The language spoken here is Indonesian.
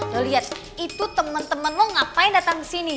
lo liat itu temen temen lo ngapain datang kesini